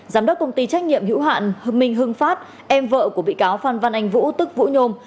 giám đốc công ty trách nhiệm hữu hạn hưng minh hưng phát em vợ của bị cáo phan văn anh vũ tức vũ nhôm